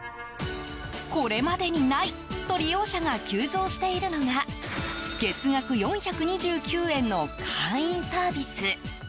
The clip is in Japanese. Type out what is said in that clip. これまでにないと利用者が急増しているのが月額４２９円の会員サービス。